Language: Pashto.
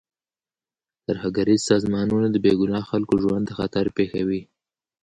ترهګریز سازمانونه د بې ګناه خلکو ژوند ته خطر پېښوي.